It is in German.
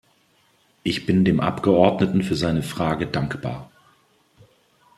Ich bin dem Abgeordneten für seine Frage dankbar.